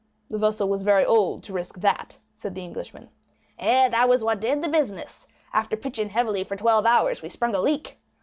"The vessel was very old to risk that," said the Englishman. "Eh, it was that that did the business; after pitching heavily for twelve hours we sprung a leak.